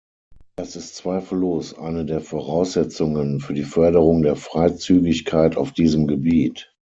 Das ist zweifellos eine der Voraussetzungen für die Förderung der Freizügigkeit auf diesem Gebiet.